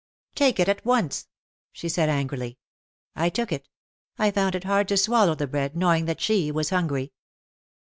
"Take it at once," she said angrily. I took it. I found it hard to swallow the bread, knowing that she was hungry.